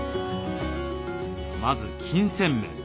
まず金銭面。